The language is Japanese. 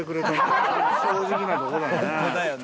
正直なとこだね。